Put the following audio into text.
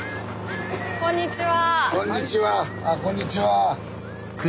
こんにちは！